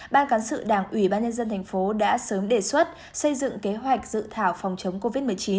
ban cán sự đảng ủy ban nhân dân thành phố đã sớm đề xuất xây dựng kế hoạch dự thảo phòng chống covid một mươi chín